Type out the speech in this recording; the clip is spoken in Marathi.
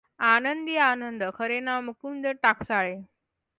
आनंदीआनंद खरे नाव मुकुंद टाकसाळे